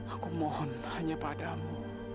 aku mohon hanya padamu